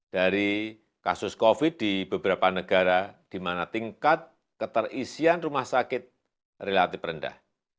dari kasus covid di beberapa negara di mana tingkat keterisian rumah sakit relatif rendah